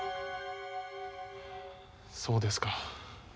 そうですか。